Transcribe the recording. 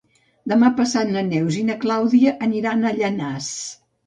Demà passat na Neus i na Clàudia aniran a Llanars.